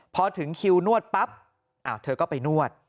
พอถึงคิวนวดปั๊บเธอก็ไปนวด